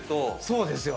そうですよ。